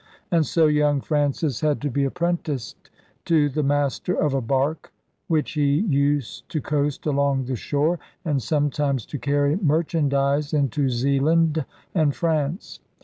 And so young Francis had to be apprenticed to *the master of a bark, which he used to coast along the shore, and sometimes to carry merchandise into Zeeland and France.